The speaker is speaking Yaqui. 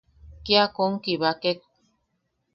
Kia kom kibakek.